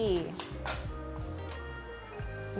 ini bisa kita bentuk